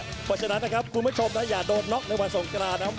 เพราะฉะนั้นนะครับคุณผู้ชมนะอย่าโดนน็อกในวันสงกรานนะครับ